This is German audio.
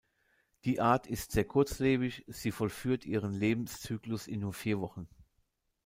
Die Art ist sehr kurzlebig, sie vollführt ihren Lebenszyklus in nur vier Wochen.